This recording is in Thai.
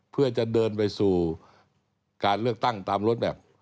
เพื่อจะเดินไปสู่การเลือกตั้งตามรถแมพ